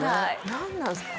何なんすか？